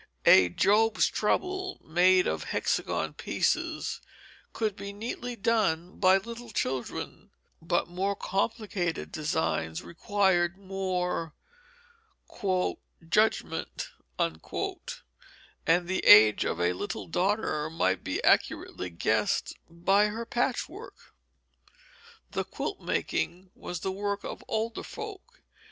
A Job's Trouble, made of hexagon pieces, could be neatly done by little children, but more complicated designs required more "judgement," and the age of a little daughter might be accurately guessed by her patchwork. The quilt making was the work of older folk.